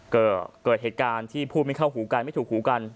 ก็เกิดเหตุการณ์ที่พูดไม่เข้าหูกันไม่ถูกหูกัน